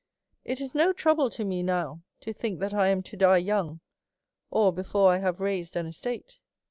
" It is no trouble to me now to think that 1 am to die young, or before I have raised an estate.